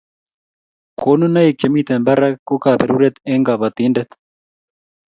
koninaik chemi barak ko kabaruret eng' kabatindet